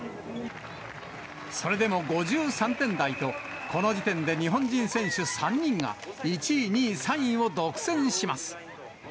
それでも５３点台と、この時点で日本人選手３人が１位、２位、３位を独占します。